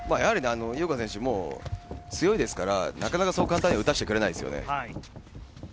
井岡選手、もう強いですからなかなかそう簡単には打たせてくれないですよね。